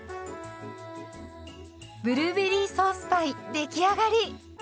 ブルーベリーソースパイ出来上がり。